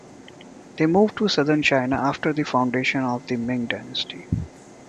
They moved to southern China after the foundation of the Ming dynasty.